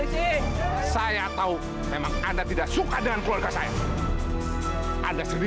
saya gak menyangka anda teka membunuh cucu anda sendiri